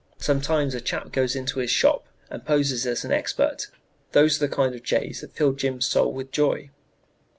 "Sometimes a chap goes into his shop and poses as an expert those are the kind of jays that fill Jim's soul with joy.